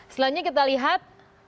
selanjutnya kita lihat